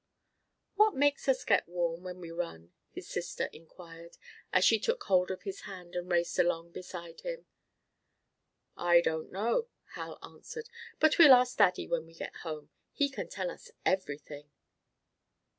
"What makes us get warm when we run?" his sister inquired, as she took hold of his hand and raced along beside him. "I don't know," Hal answered, "but we'll ask Daddy when we get home. He can tell us everything."